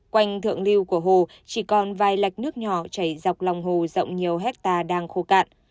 quanh thượng lưu của hồ chỉ còn vài lạch nước nhỏ chảy dọc lòng hồ rộng nhiều hectare đang khô cạn